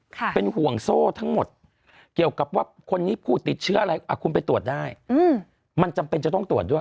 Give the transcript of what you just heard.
เป็นห่วงโซ่ทั้งหมดเกี่ยวกับว่าคนนี้ผู้ติดเชื้ออะไรอ่ะคุณไปตรวจได้อืมมันจำเป็นจะต้องตรวจด้วย